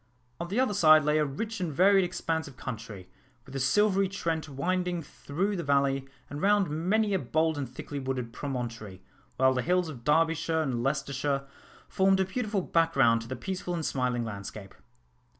On the other side lay a rich and varied expanse of country, with the silvery Trent winding through the valley, and round many a bold and thickly wooded promontory; while the hills of Derbyshire and Leicestershire formed a beautiful background to the peaceful and smiling landscape.